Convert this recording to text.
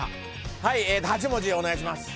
８文字お願いします。